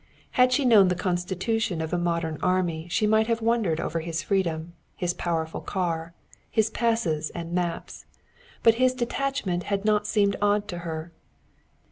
Had she known the constitution of a modern army she might have wondered over his freedom, his powerful car, his passes and maps. But his detachment had not seemed odd to her.